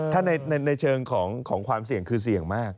ถ้าในเชิงของความเสี่ยงคือเสี่ยงมาก